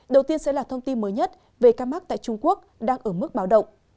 đầu tiên sẽ là thông tin mới nhất về ca mắc tại trung quốc đang ở mức báo động